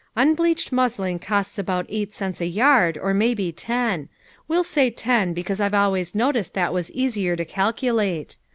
Unbleached muslin costs HOW IT SUCCEEDED. 115 about eight cents a yard, or maybe ten ; we'll say ten, because I've always noticed that was easier to calculate.